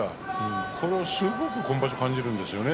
これがすごく今場所感じるんですよね。